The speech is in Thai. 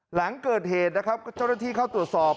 หลังเกิดเหตุนะครับเจ้าหน้าที่เข้าตรวจสอบ